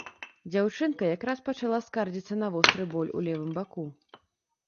Дзяўчынка якраз пачала скардзіцца на востры боль у левым баку.